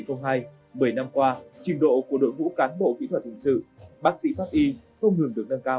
chỉ thị hai một mươi năm qua trình độ của đội ngũ cán bộ kỹ thuật hình sự bác sĩ pháp y không ngừng được nâng cao